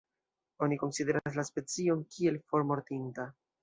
Oni konsideras la specion kiel formortinta.